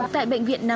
thẻ bước kính